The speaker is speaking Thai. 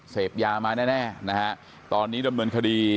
เสพยามาแน่ตอนนี้ระเมินคดี